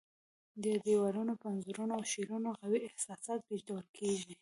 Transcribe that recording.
د دیوالونو پر انځورونو او شعرونو قوي احساسات لېږدول کېږي.